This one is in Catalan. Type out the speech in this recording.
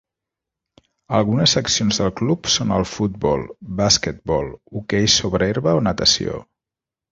Algunes seccions del club són el futbol, basquetbol, hoquei sobre herba o natació.